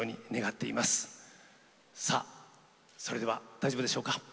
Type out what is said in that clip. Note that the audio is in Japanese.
さあそれでは大丈夫でしょうか。